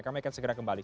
kami akan segera kembali